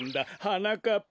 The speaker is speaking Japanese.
はなかっ